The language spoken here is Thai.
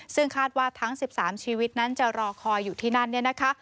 ซึ่งคาดว่าทั้ง๑๓ชีวิตนั้นจะรอคอยอยู่ที่นั้น